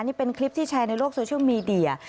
นี่เป็นคลิปที่แชร์ในโลกโซเชียลมีเดีย